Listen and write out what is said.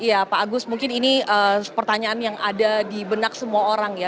ya pak agus mungkin ini pertanyaan yang ada di benak semua orang ya